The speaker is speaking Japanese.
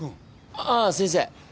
あぁ先生。